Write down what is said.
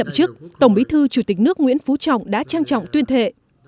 chủ tịch nước nguyễn phú trọng đã trang trọng tuyên thệ